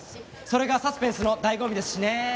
それがサスペンスの醍醐味ですしねえ。